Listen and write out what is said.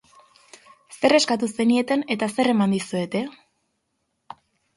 Zer eskatu zenieten eta zer eman dizuete?